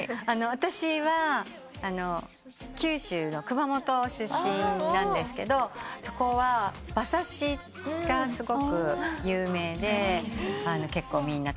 私は九州の熊本出身なんですがそこは馬刺しがすごく有名で結構みんな食べる。